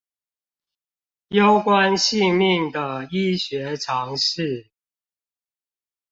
攸關性命的醫學常識